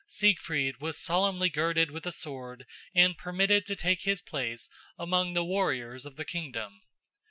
Siegfried was solemnly girded with a sword and permitted to take his place among the warriors of the kingdom.